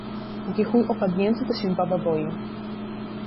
Póki chuj opadnięty, to się baba boi